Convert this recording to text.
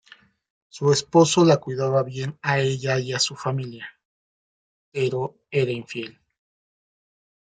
Su esposo la cuidaba bien a ella y a su familia, pero era infiel.